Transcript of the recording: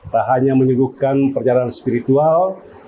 tak hanya menyuguhkan perjalanan spiritual